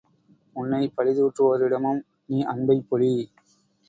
உன்னைப் பழிதூற்றுவோரிடமும் நீ அன்பைப் பொழி!